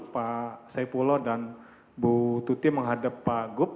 pak saipulo dan bu tuti menghadap pak gup